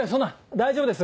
大丈夫です。